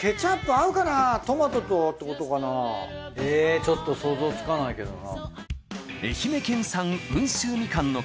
合うかなトマトとってことかな？へちょっと想像つかないけどな。